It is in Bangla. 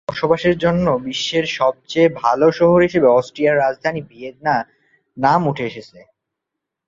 বসবাসের জন্য বিশ্বের সবচেয়ে ভালো শহর হিসেবে অস্ট্রিয়ার রাজধানী ভিয়েনার নাম উঠে এসেছে।